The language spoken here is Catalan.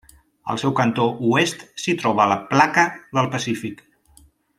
Al seu cantó oest s'hi troba la placa del Pacífic.